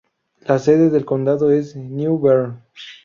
La sede del condado es New Bern.